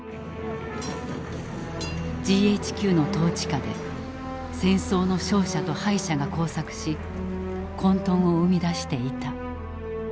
ＧＨＱの統治下で戦争の勝者と敗者が交錯し混とんを生み出していた。